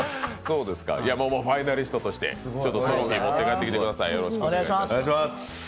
ファイナリストとしてトロフィー持って帰ってください。